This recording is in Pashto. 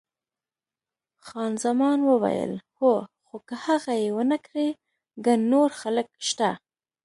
خان زمان وویل، هو، خو که هغه یې ونه کړي ګڼ نور خلک شته.